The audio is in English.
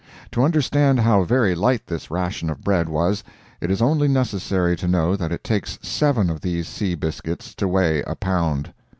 To understand how very light this ration of bread was, it is only necessary to know that it takes seven of these sea biscuits to weigh a pound.